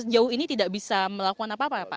sejauh ini tidak bisa melakukan apa apa ya pak